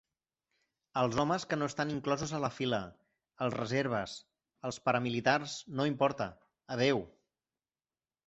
els homes que no estan inclosos a la fila, els reserves, els paramilitars No importa, Adeu